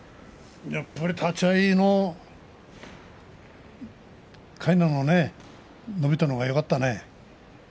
やっぱり立ち合いのかいな、伸びたのがよかったね。